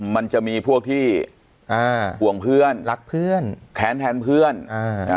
มันจะมีพวกที่อ่าห่วงเพื่อนรักเพื่อนแค้นแทนเพื่อนอ่าอ่า